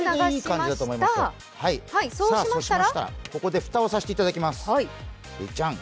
そうしましたらここで蓋をさせていただきます。